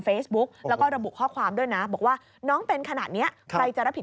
เฟซบุ๊กแล้วก็ระบุข้อความด้วยนะบอกว่าน้องเป็นขนาดนี้ใครจะรับผิด